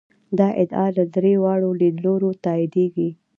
دا ادعا له درې واړو لیدلورو تاییدېږي.